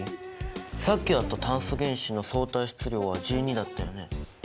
さっきやった炭素原子の相対質量は１２だったよね？